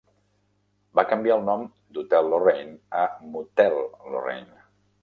Va canviar el nom d'Hotel Lorraine a Motel Lorraine.